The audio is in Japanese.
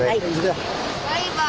バイバーイ。